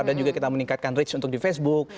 dan juga kita meningkatkan reach untuk di facebook